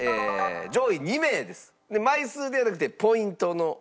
枚数ではなくてポイントの高い人。